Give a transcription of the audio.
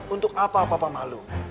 untuk apa papa malu